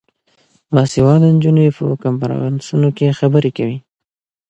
باسواده نجونې په کنفرانسونو کې خبرې کوي.